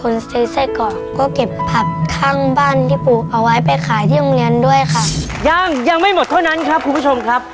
อย่างไม่หมดเท่านั้นครับนะครับผู้ชมครับ